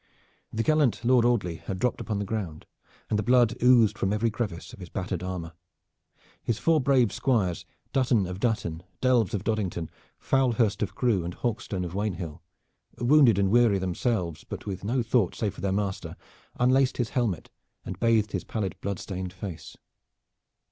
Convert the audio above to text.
The gallant Lord Audley had dropped upon the ground and the blood oozed from every crevice of his battered armor. His four brave Squires Dutton of Dutton, Delves of Doddington, Fowlhurst of Crewe and Hawkstone of Wainhill wounded and weary themselves, but with no thought save for their master, unlaced his helmet and bathed his pallid blood stained face.